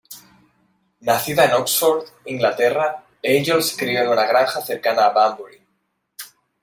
Nacida en Oxford, Inglaterra, Angel se crio en una granja cercana a Banbury.